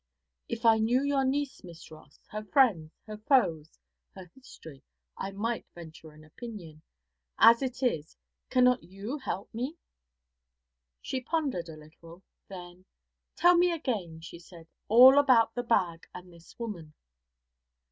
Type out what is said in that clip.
'If I knew your niece, Miss Ross, her friends, her foes, her history, I might venture an opinion. As it is, cannot you help me?' She pondered a little, then: 'Tell me again,' she said, 'all about the bag and this woman.'